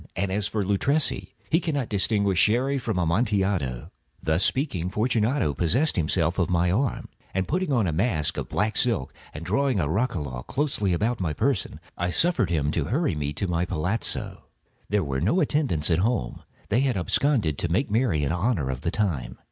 And as for Luchesi, he cannot distinguish Sherry from Amontillado." Thus speaking, Fortunato possessed himself of my arm. Putting on a mask of black silk, and drawing a roquelaire closely about my person, I suffered him to hurry me to my palazzo. There were no attendants at home; they had absconded to make merry in honor of the time.